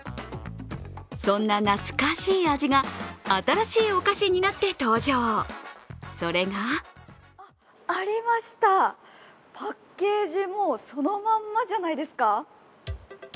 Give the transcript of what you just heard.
そんな懐かしい味が新しいお菓子になって登場それがありました、パッケージもそのまんまじゃないですか。